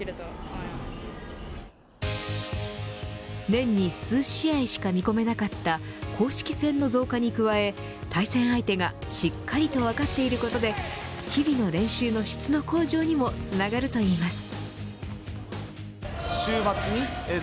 年に数試合しか見込めなかった公式戦の増加に加え対戦相手がしっかりと分かっていることで日々の練習の質の向上にもつながるといいます。